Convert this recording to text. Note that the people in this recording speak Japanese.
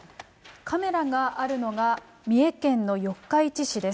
カメラがあるのが、三重県の四日市市です。